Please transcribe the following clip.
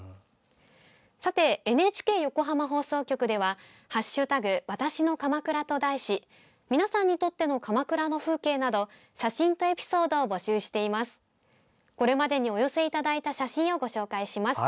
さて、ＮＨＫ横浜放送局では「＃わたしの鎌倉」と題し皆さんにとっての鎌倉の風景など写真とエピソードを募集しています。